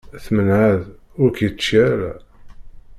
Tmenεeḍ ur k-yečči ara.